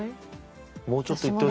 もうちょっといってほしい？